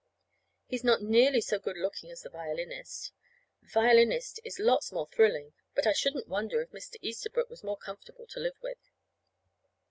He's not nearly so good looking as the violinist. The violinist is lots more thrilling, but I shouldn't wonder if Mr. Easterbrook was more comfortable to live with.